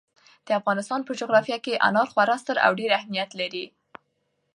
د افغانستان په جغرافیه کې انار خورا ستر او ډېر اهمیت لري.